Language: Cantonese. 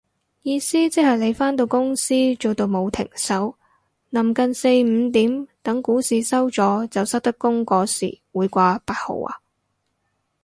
意思即係你返到公司做到冇停手，臨近四五點等股市收咗就收得工嗰時會掛八號啊